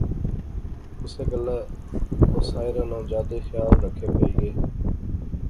اسے گلاہ او ساحرہ ناں جادے خیال رکھے پئی گے